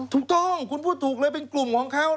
ถูกต้องคุณพูดถูกเลยเป็นกลุ่มของเขา